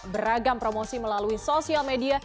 beragam promosi melalui sosial media